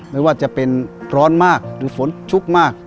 ไม่ว่าจะเป็นร้อนมากหรือฝนชุกมาก